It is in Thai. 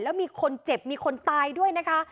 แล้วมีคนเจ็บมีคนตายด้วยนะคะ